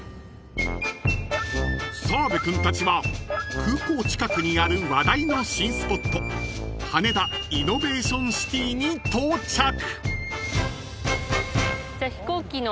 ［澤部君たちは空港近くにある話題の新スポット羽田イノベーションシティに到着］